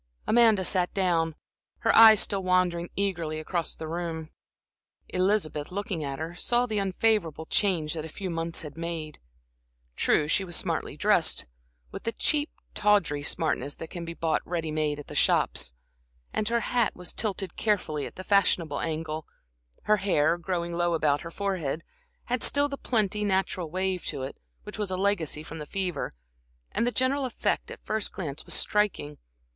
Amanda sat down, her eyes still wandering eagerly around the room. Elizabeth, looking at her, saw the unfavorable change that a few months had made. True, she was smartly dressed, with the cheap, tawdry smartness that can be bought ready made at the shops, and her hat was tilted carefully at the fashionable angle; her hair, growing low about her forehead, had still the pretty, natural wave to it, which was a legacy from the fever, and the general effect at a first glance was striking.